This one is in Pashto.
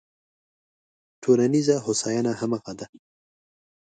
ټولنیزه هوساینه همغه ده.